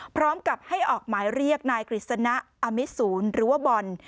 พร้อมกับให้ออกหมายเรียกนายกฤษณะอมิสูรหรือว่าบอล